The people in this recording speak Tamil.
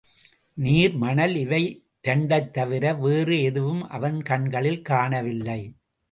நீர், மணல் இவை இரண்டைத் தவிர வேறு எதுவும் அவன் கண்களில் காணவில்லை.